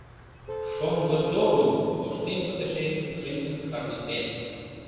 Шоҥго Тору тоштем пытыше пушеҥгым шарныктен.